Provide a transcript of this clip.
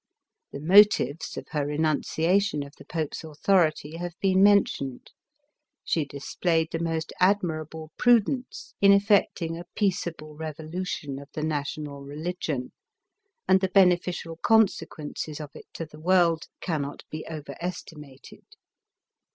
The motives of her renunciation of the Pope's authority have been mentioned ; she displayed the most admira ble prudence in effecting a peaceable revolution of the national religion ; and the beneficial consequences of it to the world, cannot be overestimated.